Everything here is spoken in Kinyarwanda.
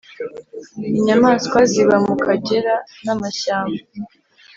inyamanswa ziba mu kagera namashyamba